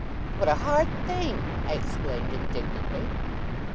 'What a hard thing!' I exclaimed indignantly.